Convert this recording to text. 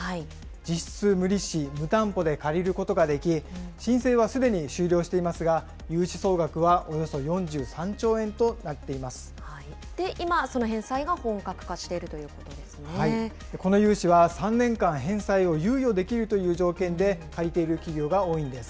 実質無利子・無担保で借りることができ、申請はすでに終了していますが、融資総額はおよそ４３兆今、その返済が本格化していこの融資は３年間返済を猶予できるという条件で借りている企業が多いんです。